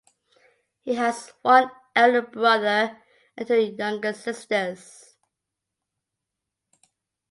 He has one elder brother and two younger sisters.